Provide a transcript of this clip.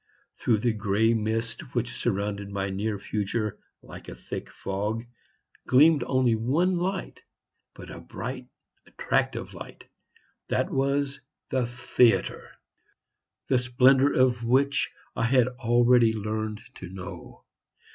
Through the gray mist, which surrounded my near future like a thick fog, gleamed only one light, but a bright, attractive light; that was the theatre, the splendor of which I had already learned to know.